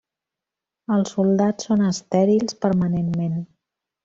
Els soldats són estèrils permanentment.